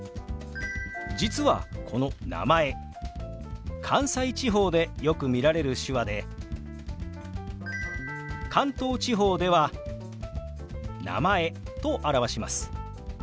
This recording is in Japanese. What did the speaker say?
実はこの「名前」関西地方でよく見られる手話で関東地方では「名前」と表します。